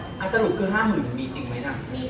อ้าวสรุปคือ๕๐๐๐๐มีจริงมั้ยนะมีค่ะ